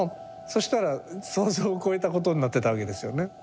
したら想像を超えたことになってたわけですよね。